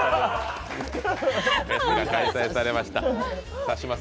フェスが開催されました。